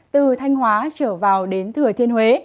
từ thanh hóa trở vào đến thừa thiên huế